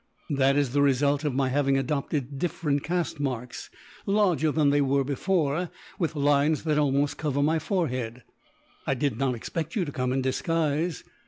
"That is the result of my having adopted different caste marks, larger than they were before, with lines that almost cover my forehead." "I did not expect you to come in disguise."